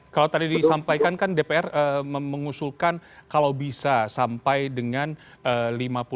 kalau tadi disampaikan kan dpr mengusulkan kalau bisa sampai dengan lima puluh